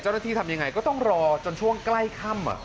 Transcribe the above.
เจ้าหน้าที่ทำยังไงก็ต้องรอจนช่วงใกล้ค่ำอ่ะ